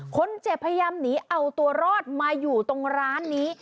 พยายามหนีเอาตัวรอดมาอยู่ตรงร้านนี้